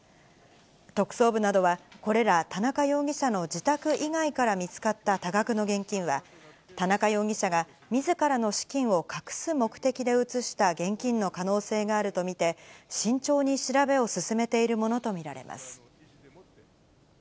特捜部などは、これら田中容疑者の自宅以外から見つかった多額の現金は、田中容疑者がみずからの資金を隠す目的で移した現金の可能性があると見て、慎重に調べを進めているものと見られます。